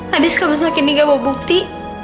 habis kamu selagi nggak bawa bukti